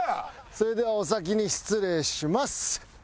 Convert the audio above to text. それではお先に失礼します。